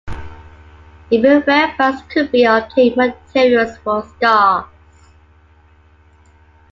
Even where funds could be obtained materials were scarce.